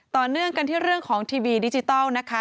ต่อเนื่องกันที่เรื่องของทีวีดิจิทัลนะคะ